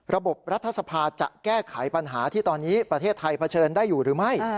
รัฐสภาจะแก้ไขปัญหาที่ตอนนี้ประเทศไทยเผชิญได้อยู่หรือไม่